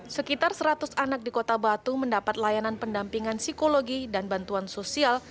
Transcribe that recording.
sekitar seratus anak di kota batu mendapat layanan pendampingan psikologi dan bantuan sosial